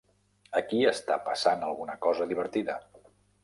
Aquí està passant alguna cosa divertida.